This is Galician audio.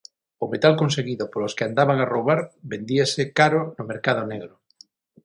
O metal conseguido polos que andaban a roubar vendíase caro no mercado negro.